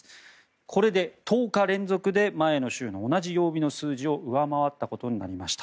これで１０日連続で前の週の同じ曜日の数字を上回ったことになりました。